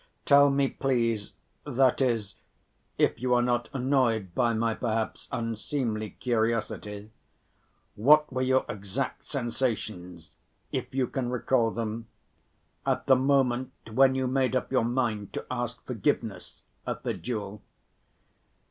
"Tell me, please, that is if you are not annoyed by my perhaps unseemly curiosity, what were your exact sensations, if you can recall them, at the moment when you made up your mind to ask forgiveness at the duel.